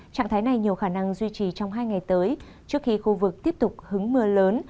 trạng thái này nhiều khả năng duy trì trong hai ngày tới trước khi khu vực tiếp tục hứng mưa lớn